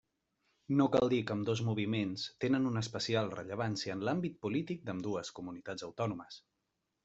No cal dir que ambdós moviments tenen una especial rellevància en l'àmbit polític d'ambdues comunitats autònomes.